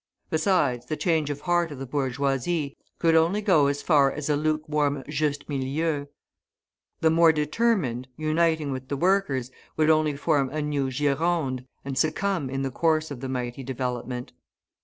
Besides, the change of heart of the bourgeoisie could only go as far as a lukewarm juste milieu; the more determined, uniting with the workers, would only form a new Gironde, and succumb in the course of the mighty development.